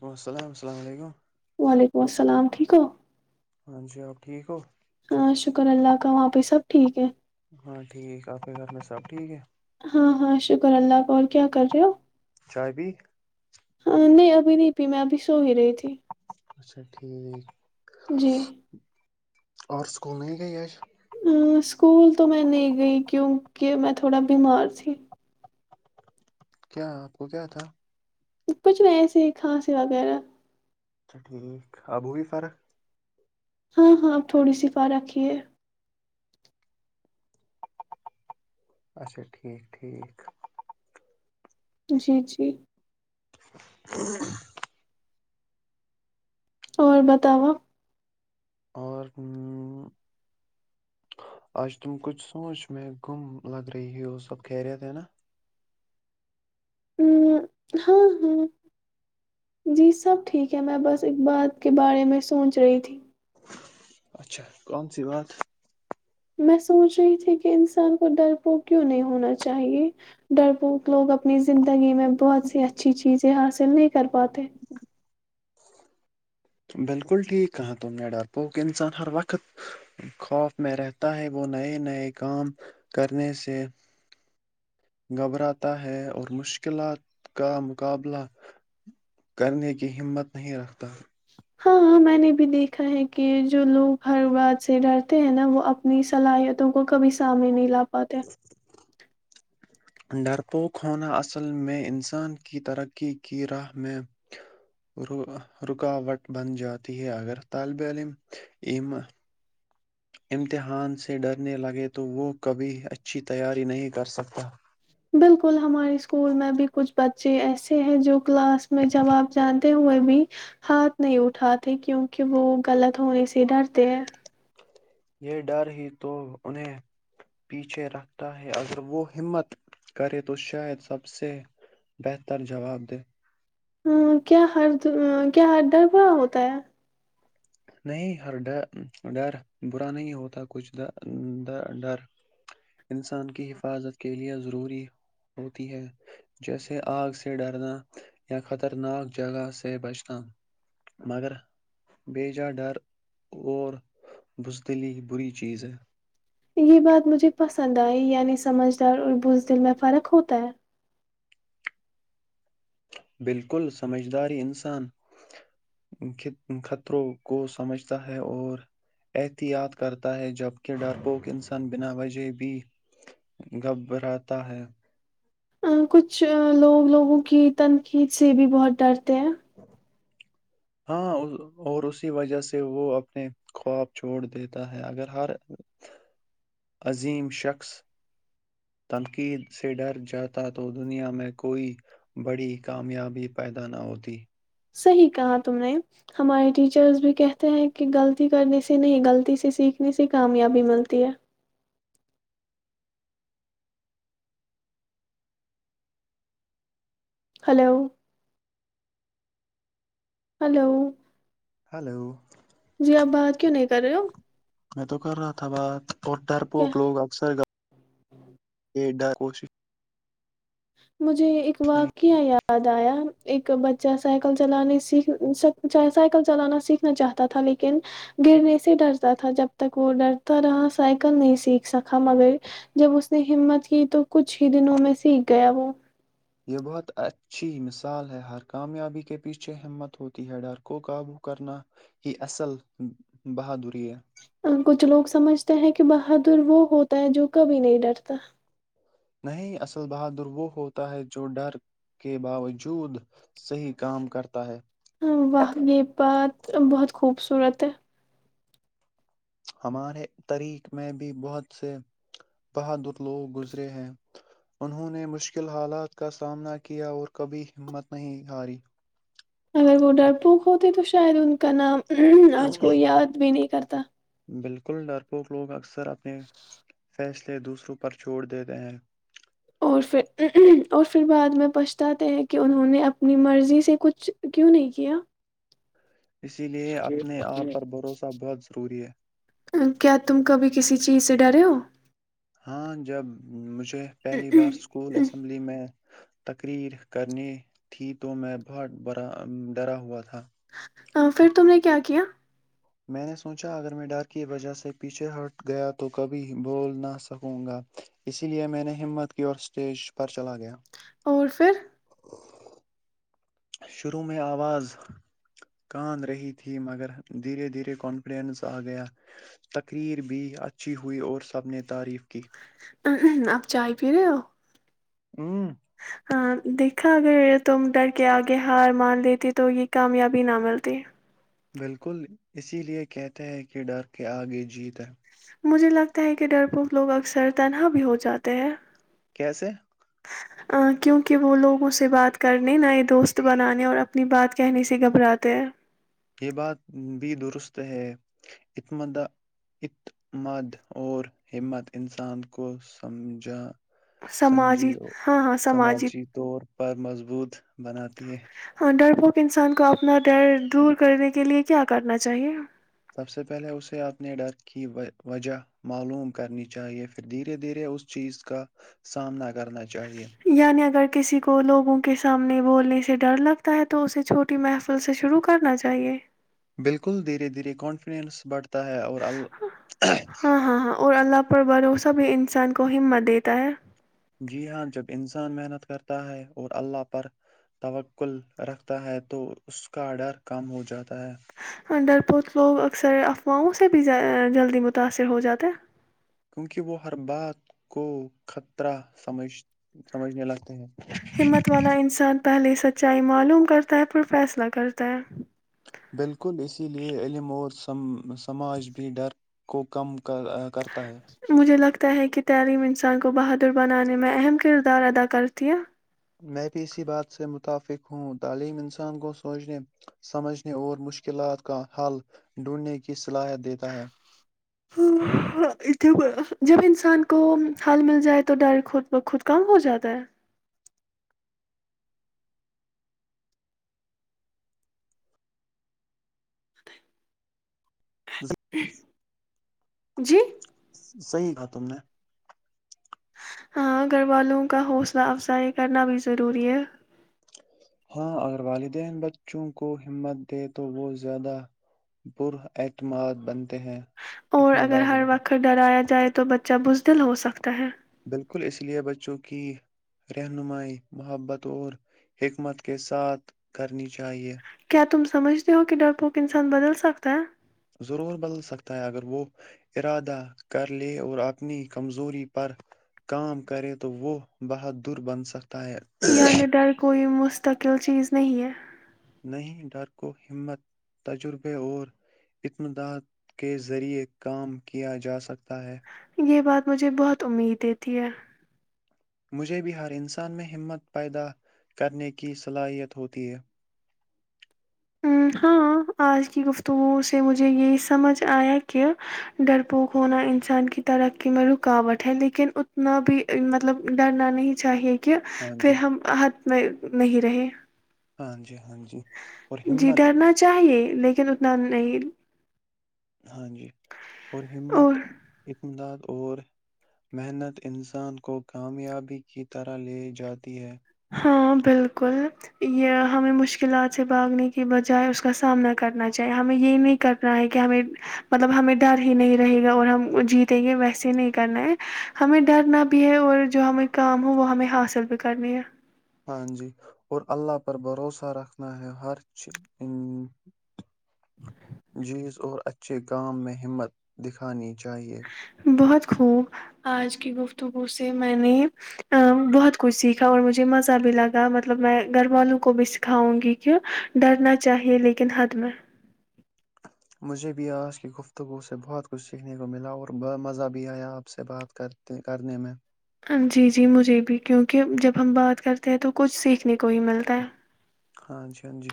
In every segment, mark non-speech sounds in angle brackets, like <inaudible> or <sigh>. وعلیکم السلام السلام علیکم وعلیکم السلام ٹھیک ہو ہاں جی آپ ٹھیک ہو ہاں شکر اللہ کا وہاں پہ سب ٹھیک ہے ہاں ٹھیک آپ کے <inaudible> ہاں ہاں شکر اللہ کو کیا کر رہے ہو چائے بھی ہاں نہیں ابھی نہیں پی میں ابھی سو ہی رہی تھی <inaudible> <inaudible> اور اسکول نہیں گئی آج ا اسکول تو میں نہیں گئی کیونکہ میں تھوڑا بیمار تھی <inaudible> کچھ نہیں ایسے ہی کھانسی وغیرہ اچھا ٹھیک آبو بھی فرق ہاں ہاں اپ تھوڑی صفا رک ہے اچھا ٹھیک ٹھیک جی جی <inaudible> اور بتاوا اور آج تم کچھ سوچ میں گم لگ رہی ہے وہ سب خریت ہے نا ہ ہاں ہاں جی سب ٹھیک ہے میں بس ایک بات کے بارے میں سوچ رہی تھی اچھا کون سی بات میں سوچ رہی تھی کہ انسان کو ڈر پوک کیوں نہیں ہونا چاہیے ڈر پوک لوگ اپ اپنی زندگی میں بہت سی اچھی چیزیں حاصل چ نہیں کر پات بالکل ٹھیک کہاں تم نے ڈر پو کہ انسان ہر وقت خوف میں رہتا ہے وہ نئے نئے کام کرنے سے گھبراتا ہے اور مشکلات کا مقابلہ کرنے کی ہمت نہیں رکھتا ہاںاں میں نے بھی دیکھا ہے کہ جو لوگ ہر بات سے ڈرتے ہیں نا وہ اپنی صلاحیتوں کو کبھی سامنے نہیں لا پ پات ہیں ڈرپوک ہونا اصل میں انسان کی ترقی کی راہ میں رکاوٹ بن جاتی ہے اگر طالب علملم عم امتحان سے ڈرنے لگے تو وہ کبھی اچھی تیاری نہیں کرسکتا بالکل ہمارے اسکول میں بھی کچھ بچے ایسے ہیں جو کلاس میں جواب جانتے ہوئے بھی ہاتھ نہیں اٹھاتے کیونکہ وہ غلط ہونے سے ڈرتے ہیں یہ ڈر ہی تو انہیں پیچھے رکھتا ہے اگر وہ ہمت کرے تو شاید سب سے بہتر جواب دے ہاں کیا ہر کیا ہر ڈر ب ہوتا ہے نہیں ہر ڈر برا نہیں ہوتا کچھ ڈر انسان کی حفاظت کے لیے ضروری ہوتی ہے جیسے آگ سے ڈرنا یا خطرناک جگہ سے بچنا مگر ا ڈر اور بزدلی بری چیز ہے یہ بات مجھے پسند آئی یعنی سمجھدار اور بوز دل میں فرق ہوتا ہے بالکل سمجھداری انسان خطروں کو سمجھتا ہے اور احتیاط کرتا ہے جب کہ ڈرپوک انسان بنا وجہ بھی گبراتا ہے کچھ لوگ لوگوں کی تنقید سے بھی بہت ڈرتے ہیں ہاں اور اسی وجہ سے وہ اپنے خواب چھوڑ دیتا ہے اگر ہر عظیم شخص تنقید سے ڈر جاتا تو دنیا میں کوئی بڑی کامیابی پیدا نہ ہوتی صحیح کہا تم نے ہمارے ٹیچرس بھی کہتے ہیں کہ غلطی کرنے سے نہیں غلطی سے سیکھنے سے کامیابی ملتی ہے ہلو ہلو ہلو جی آپ بات کیوں نہیں کر رہے ہو میں تو کر رہا تھا بات اور ڈر کیا پوک لوگ اکثر یہ ڈر کوش مجھے ایک واقعہ یاد آیا ایک بچہ سائیکل چلانے سیکھ سائیکل چلانا سیکھنا چاہتا تھا لیکن گرنے سے ڈرتا تھا جب تک وہ ڈرتا رہا سائیکل نہیں سیکھ سکا مگر جب اس نے ہمت کی تو کچھ ہی دنوں میں سیکھ گیا وہ یہ بہت اچھی مثال ہے ہر کامیابی کے پیچھے ہمت ہوتی ہے ڈر کو قابو کرنا ہی اصل بہادری ہے کچھ لوگ سمجھتے ہیں کہ بہادر وہ ہوتا ہے جو کبھی نہیں ڈرتا نہیں اصل بہادر وہ ہوتا ہے جو ڈر کے باوجود صحیح کام کرتا ہے واہ یہ بات بہت خوبصورت تہ ہے ہمارے تریک میں بھی بہت سے بہادر لوگ گزرے ہیں انہوں نے مشکل حالات کا سامنا کیا اور کبھی ہمت نہیں ہاری اگر وہ ڈر پوک ہوتے تو شاید ان کا نام ہمم ہممم آج کو یاد بھی نہیں کرتا بالکل ڈرپوک لوگ اکثر سر اپنے فیصلے دوسروں پر چھوڑ دیتے ہیں اور پھر اور پھر بعد میں پچھتاتے ہیں کہ انہوں نے اپنی مرضی سے کچھ کیوں نہیں کیا اسی لیے اپنے آپ پر بھروسہ بہت ضروری ہے کیا تم کبھی کسی چیز سے ڈرے ہو ہاں جب مجھے پہلی بار اسکول اسمبلی میں تقریر کرنی تھی تو میں بہت ڈرا ہوا تھا پھر تم نے کیا کیا میں نے سوچا اگر میں ڈر کی وجہ سے پیچھے ہٹ گیا تو کبھی بول نہ سکوں گا اسی لے میں نے ہمت کی اور اسٹیج پر چلا گیا اور پھر شروع میں آواز کاند رہی تھی مگر دھیرے دھیرے کانفیڈینس آ گیا تقریر بھی اچھی ہوئی اور سب نے تعریف کی اب چائے فھر ہو ہوں ہاں دیکھ اگر تم ڈر کے آگے ہار مان لیتی تو یہ کامیابی نہ ملتی بالکل اسی لیے کہتے ہے کہ ڈر کے آگے جیت ہے مجھے لگتا ہے کہ ڈر پوف لوگ اکثر تنہا بھی ہو جاتے ہیں کیسے کیونکہ وہ لوگوں سے بات کرنے نئے دوست بنانے اور اپنی بات کہنے سے گھبراتے ہیں یہ بات بھی درست ہے اتماد اور ہمت انسان کو سمجھا سماجی سمجھی ہاں ہاں سماجی طور پر مضبوط بناتی ہے آک انسان کو اپنا ڈر دور کرنے کے لیے کیا کرنا چاہیے سب سے پہلے اسے اپنے ڈر کی وجہ معلوم کرنی چاہیے پھر دھیرے دھیرے اس چیز کا سامنا کرنا چے یعنی اگر کسی کو لوگوں کے سامنے بولنے سے ڈر لگتا ہے تو اسے چھوٹی محفل سے شروع کرنا چاہیے بالکل دھیرے دھیرے کانفیڈنس بڑھتا تا ہے اور ال <inaudible> ہاں ہاں ہاں اور اللہ پر بھروسہ بھی انسان کو ہمت دیتا ہے جی ہاں جب انسان محنت کرتا ہے اور اللہ پر توکل رکھتا ہے تو اس کا ڈر کم ہو جاتا ہے ڈر پوت لوگ اکثر افواہوں سے بھی جلدی متاثر ہو جاتے کیونکہ وہ ہر بات کو خطرہ سمجھ سمجھنے لگتے ہیں ہمت والا انسان پہلے سچائی معلوم کرتا ہے پر فیصلہ کرتا ہے بالکل اسی لئے علم اور سماج بھی ڈر کو کم کرتا ہے ت ہے کہ تعلیم انسان کو بہادر بنانے میں اہم کردار ادا کرتی ہے میں بھی اسی بات سے متفق ہوں تعلیم انسان کو سوچنے سمجھنے اور مشکلات کا حل ڈھونڈنے کی صلاحیت دیتا ہے ہ جب انسان کو حل مل جائے تو ڈر خود بخود کم ہو جاتا ہے <inaudible> <inaudible> جی صحیح کہ تم نے ہاں گھر والوں کا حوصلہ افزائی کرنا بھی ضروری ہے ہاں اگر والدین بچوں کو ہمت دے تو وہ زیادہ بر اعتماد بنتے ہیں اور اگر اعتمادار ہر بنتے وقت ہیں ڈرایا جائے تو بچہ بز دل ہو سکتا ہے بالکل اس لیے بچوں کی رہنمائی محبت اور حکمت کے ساتھ کرنیاہے چاہیے کیا تم سمجھتے ہو کہ ڈر پوک انسان بدل سکتا ہے ضرور بدل سکتا ہے اگر وہ ارادہ کر لے اور اپنی کمزوری پر کام کرے تو وہ بہ در بن سک یعنی ڈر کووئی م مستقل چیز نہیں ہے نہیں ڈر کو ہمت تجربے اور اتمادات کے ذریعے کام کیا جا سکتا ہے یہ بات مجھے بہت امید دیتی ہے مجھے بھی ہر انسان میں ہمت پیدا کرنے کی صلاحیت ہوتی ہے ہاں آج کی گفتگوں سے مجھے یہی سمجھ آیا کہ ڈر پوک ہونا انسان کی ترقی میں رکاوٹ ہے لیکن اتنا بھی مطلب ڈرنا نہیں چاہیے کہ ہاں پھر جی ہم ہھ میں نہیں رہے ہاں جی ہاں جی اور جی ہمت ڈرنا چاہیے لیکن اتنا نہیں ہ جی اور امداد اور محنت انسان کو کامیابی کی طرح لے جاتی ہے ہاں بالکل یہ ہمیں مشکلات سے باگنے کے بجائے اس کا سامنا کرنا چاہیے ہمیں یہ نہیں کرنا ہے کہ ہمیں مطلب ہمیں ڈر ہی نہیں رہے گا اور ہم جیتیں گے ویسے ہی نہیں کرنا ہے ہمیں ڈرنا بھی ہے اور جو ہمیں کام ہو وہ ہمیں حاصل بھی کرنی ہے ہاں جی اور اللہ پر بھروسہ رکھنا ہے ہر چ جیز اور اچھا اچھے کام میں ہمت دکھانی چاہیے ہو آج کی گفتگو سے میں نے ا بہت کچھ سیکھا اور مجھے مزہ بھی لگا مطلب میں گھر والوں کو بھی سکھاؤں گی کہ ڈرنا چاہیے لیکن حد میں مجھے بھی آج کی گفتگو سے بہت کچھ سیکھنے کو ملا اور ب مزہ بھی آیا آپ سے بات کرتے کرنے میں جی جی مجھے بھی کیونکہ جب ہم بات کرتے ہیں تو کچھ سیکھ اپنے کو ہی ملتا ہے ہاں جی جی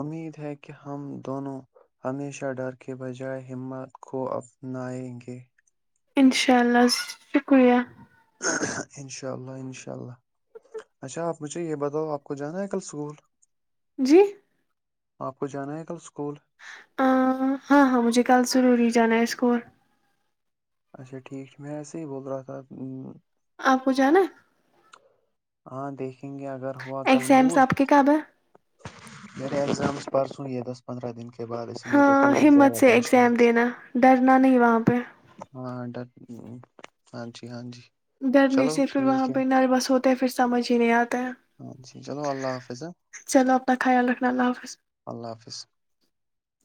امید ہے کہ ہم دونوں ہمیشہ ڈر کے بجائے ہمت کو اپنائیں گے اشاء اللہ شکریہ اشاء اللہ انشاء اللہ اچھا آپ مجھے یہ بتاؤ آپ کو جانا ہے کل اسکول جی آپ کو جانا ہے کل اسکول ا ہاں ہاں مجھے کل سرور ہی جانا ہے اسکور اچھا ٹھیک میں ایسے ہی بول رہا تھا آپ کو جانا ہاں دیکھیں گے اگر واکل ایگزامس موڈ آپ کے کب ہے میرے ایگزامس پرسوں ہی ہے دس پندرہ دن کے بعد اس لیے تو ہاں تھوڑی ہمت زیادہ سے ٹینشن ایگزام ہے دینا ڈرنا نہیں وہاں پہ ہاں ڈر ہاں جی ہاں جی ڈرنے چلو سے پھر وہاں ٹھیک ہے پہ نروس ہوتے ہیں پھر سمجھ ہی نہیں آتا ہے ہاں جی چلو اللہ حافظ ہاں چلو اپنا خیال رکھنا اللہ حافظ اللہ حافظ